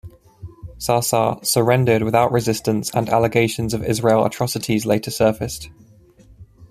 Sa'sa' surrendered without resistance and allegations of Israeli atrocities later surfaced.